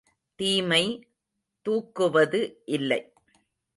தீமை தூக்குவது இல்லை.